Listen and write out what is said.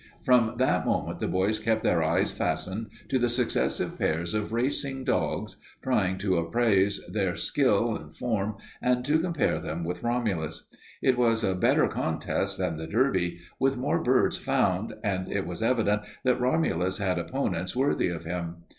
From that moment the boys kept their eyes fastened to the successive pairs of racing dogs, trying to appraise their skill and form and to compare them with Romulus. It was a better contest than the Derby, with more birds found, and it was evident that Romulus had opponents worthy of him.